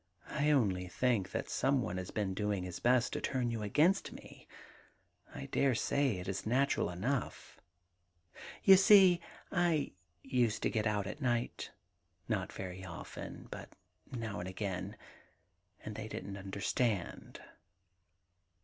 'I only think that some one has been doing his best to turn you against me. I dare say it is natural enough. ... You see, I used to get out at night — not very often, but now and again — and they didn't understand.'